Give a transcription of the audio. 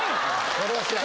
それは知らん。